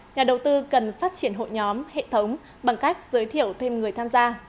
nhà đầu tư cần phát triển hội nhóm hệ thống bằng cách giới thiệu thêm người tham gia